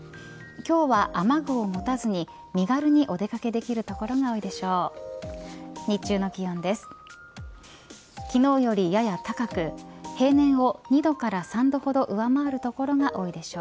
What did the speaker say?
今日は雨具を持たずに身軽にお出掛けできる所が多いでしょう。